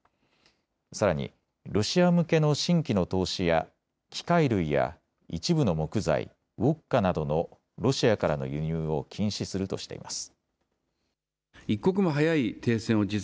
さらに、ロシア向けの新規の投資や機械類や一部の木材、ウォッカなどのロシアからの輸入を禁止するとしています。